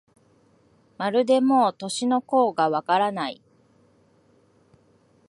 まるでもう、年の頃がわからない